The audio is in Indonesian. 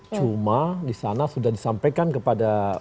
cuma disana sudah disampaikan kepada lob